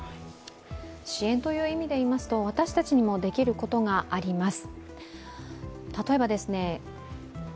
支援という意味でいいますと私たちにもできることがあります。